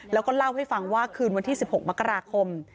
แล้วก็เล่าให้ฟังว่าคืนวันที่๑๖มกราคม